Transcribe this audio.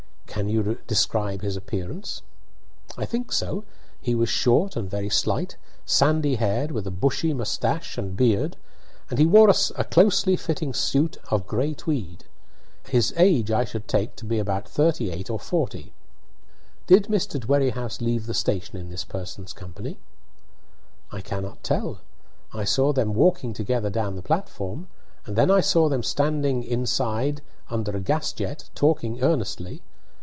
"Can you describe his appearance?" "I think so. He was short and very slight, sandy haired, with a bushy moustache and beard, and he wore a closely fitting suit of gray tweed. His age I should take to be about thirty eight or forty." "Did Mr. Dwerrihouse leave the station in this person's company?" "I cannot tell. I saw them walking together down the platform, and then I saw them standing inside under a gas jet, talking earnestly.